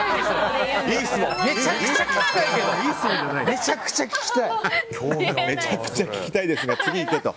めちゃくちゃ聞きたいけど！